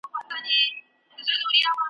دا تر پښو لاندي قبرونه `